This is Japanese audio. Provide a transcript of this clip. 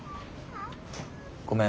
ごめん。